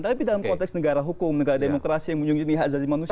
tapi dalam konteks negara hukum negara demokrasi yang munjungi niat azadi manusia